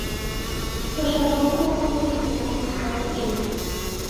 Паша шуко уло, ик яра минутат уке.